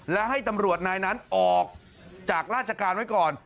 และให้ตำรวจนายนั้นออกจากราชการไว้ก่อน